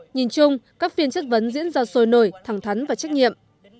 nhìn chung các phiên chất vấn diễn ra sôi nổi thẳng thắn và trách nhiệm